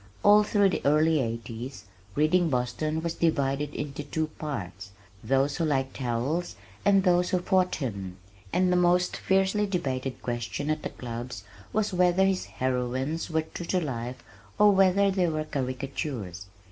All through the early eighties, reading Boston was divided into two parts, those who liked Howells and those who fought him, and the most fiercely debated question at the clubs was whether his heroines were true to life or whether they were caricatures.